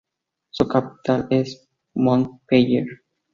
Su capital es Montpellier.